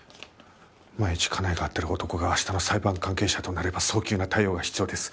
万一家内が会ってる男が明日の裁判関係者となれば早急な対応が必要です。